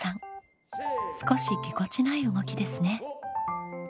少しぎこちない動きですね。